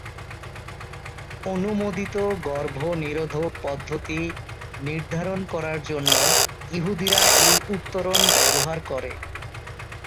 অনুমোদিত গর্ভনিরোধক পদ্ধতি নির্ধারণ করার জন্য ইহুদীরা এই উত্তরণ ব্যবহার করে।